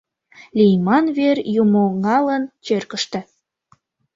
Лийман вер юмоҥалан черкыште.